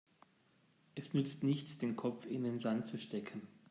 Es nützt nichts, den Kopf in den Sand zu stecken.